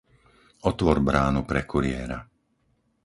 Otvor bránu pre kuriéra.